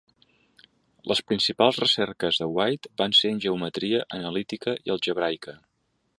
Les principals recerques de White van ser en geometria analítica i algebraica.